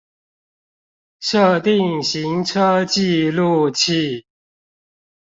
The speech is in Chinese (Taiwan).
設定行車記錄器